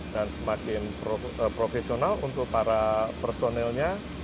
dan semakin profesional untuk para personelnya